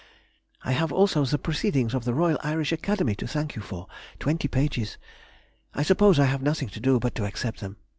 I have also the Proceedings of the Royal Irish Academy to thank you for, twenty pages. I suppose I have nothing to do but to accept them.